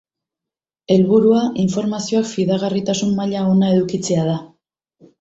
Helburua, informazioak fidagarritasun maila ona edukitzea da.